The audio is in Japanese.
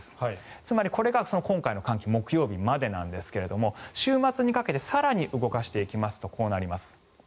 つまりこれが今回の寒気木曜日までなんですが週末にかけて更に動かすとこうなります。